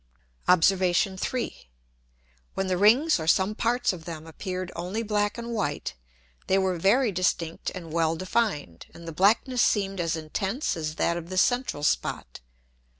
Obs. 3. When the Rings or some parts of them appeared only black and white, they were very distinct and well defined, and the blackness seemed as intense as that of the central Spot.